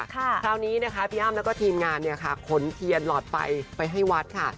คราวนี้พี่อ้ำและทีมงานขนเทียนหลอดไปให้วัดค่ะ